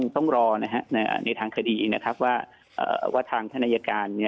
ต้องรอในทางคดีนะครับว่าทางท่านอายการ